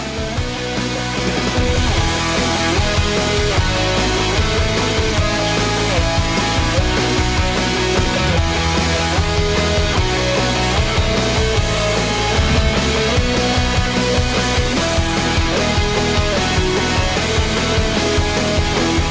สวัสดีครับสวัสดีครับ